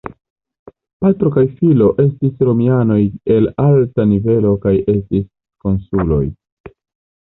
Patro kaj filo estis romianoj el alta nivelo kaj estis konsuloj.